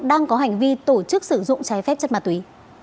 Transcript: đang có hành vi tổ chức sử dụng trái phép chất ma túy